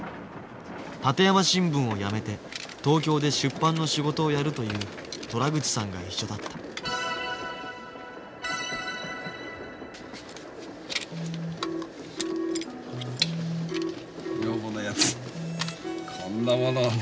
立山新聞を辞めて東京で出版の仕事をやるという虎口さんが一緒だった女房のやつこんなものをね。